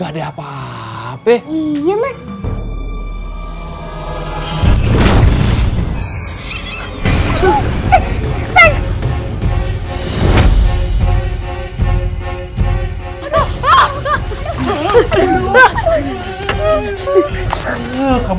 udah dah udah dah